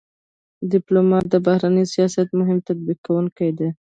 ډيپلومات د بهرني سیاست مهم تطبیق کوونکی دی.